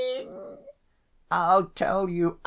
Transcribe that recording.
I'll tell you.